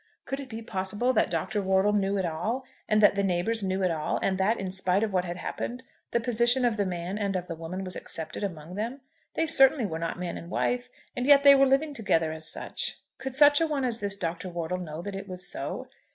Could it be possible that Dr. Wortle knew it all, and that the neighbours knew it all, and that, in spite of what had happened, the position of the man and of the woman was accepted among them? They certainly were not man and wife, and yet they were living together as such. Could such a one as this Dr. Wortle know that it was so?